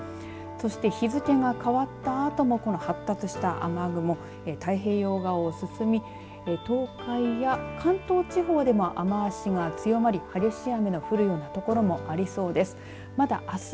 そして日付が変わったあともこの発達した雨雲太平洋側を進み東海や関東地方でも雨足が強まり激しい雨の降るような所もありそうです。